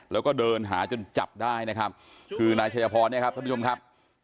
แล้วก็เดินหาจนจับได้นะครับคือนายชัยพรเนี่ยครับท่านผู้ชมครับ